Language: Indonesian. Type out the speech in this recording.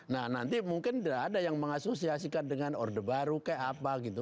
nah nanti mungkin tidak ada yang mengasosiasikan dengan orde baru kayak apa gitu